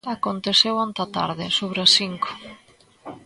Aconteceu onte á tarde, sobre as cinco.